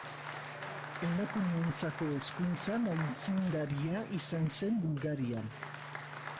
Emakumeentzako hezkuntzan aitzindaria izan zen Bulgarian.